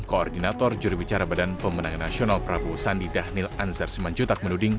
koordinator juri bicara badan pemenang nasional prabowo sandi dhanil ansar simanjutak menuding